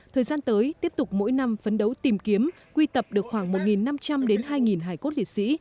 thời gian tới tiếp tục mỗi năm phấn đấu tìm kiếm quy tập được khoảng một năm trăm linh đến hai hài cốt liệt sĩ